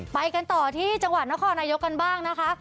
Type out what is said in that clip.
ไปกันต่อที่จังหวัดนครนายกกันบ้างนะคะ